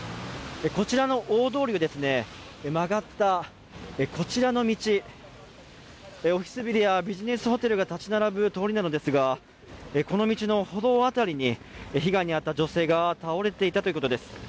こちらの大通りを曲がったこちらの道、オフィスビルやビジネスホテルが立ち並ぶ通りなのですがこの道の歩道辺りに被害に遭った女性が倒れていたということです。